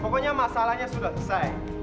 pokoknya masalahnya sudah selesai